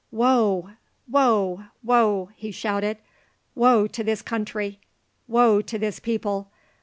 "Woe! woe! woe!" he shouted, "woe to this country! woe to this people!